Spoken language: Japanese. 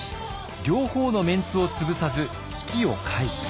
両方のメンツを潰さず危機を回避。